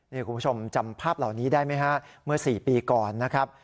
นี่คุณผู้ชมจำภาพเหล่านี้ได้ไหมฮะเมื่อ๔ปีก่อนนะครับ